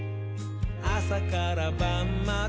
あさからばんまで」